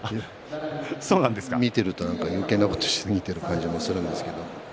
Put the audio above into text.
見てるとよけいなことをしすぎている感じもするんですけれどもね